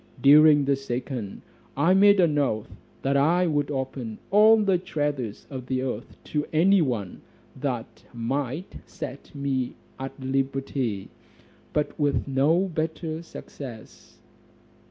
During the second, I made an oath, that I would open all the treasures of the earth to any one that might set me at liberty; but with no better success.